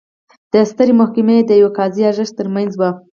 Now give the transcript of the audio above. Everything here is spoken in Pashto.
د سترې محکمې د یوه قاضي ارزښت ترمنځ و.